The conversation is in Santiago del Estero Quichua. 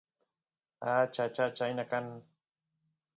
achacha chayna kan